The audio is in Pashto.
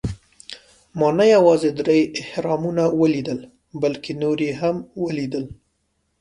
ما نه یوازې درې اهرامونه ولیدل، بلکې نور یې هم ولېدل.